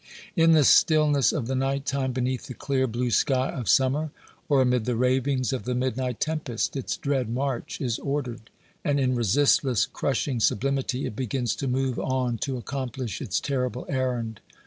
In the stillness of the night time, beneath the clear blue sky of summer, or amid the ravings of the midnight tempest, its dread march is ordered, and in resistless, crushing sublimity it begins to move on to accomplish its terrible errand.